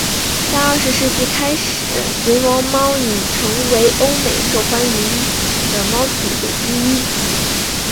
在二十世纪开始暹罗猫已成为欧美受欢迎的猫品种之一。